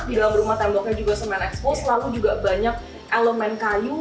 di dalam rumah temboknya juga semen expose lalu juga banyak elemen kayu